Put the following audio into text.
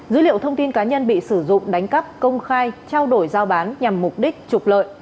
dữ liệu thông tin cá nhân bị sử dụng đánh cắp công khai trao đổi giao bán nhằm mục đích trục lợi